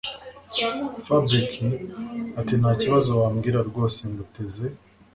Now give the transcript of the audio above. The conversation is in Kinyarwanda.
Fabric atintakibazo wabwira rwose nguteze